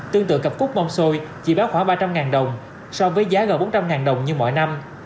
tương tự cặp cút bông sôi chỉ bán khoảng ba trăm linh đồng so với giá gần bốn trăm linh đồng như mỗi năm